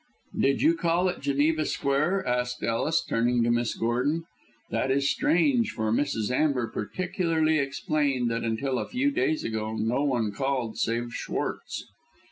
"Did you call at Geneva Square?" asked Ellis, turning to Miss Gordon. "That is strange, for Mrs. Amber particularly explained that until a few days ago no one called save Schwartz."